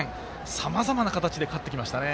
さまざまな形で勝ってきました。